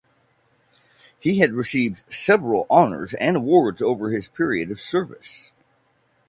He had received several honours and awards over his period of service.